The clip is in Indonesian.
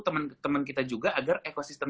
temen temen kita juga agar ekosistem